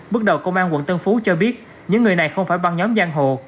bước đầu công an quận tân phú cho biết những người này không phải băng nhóm giang hồ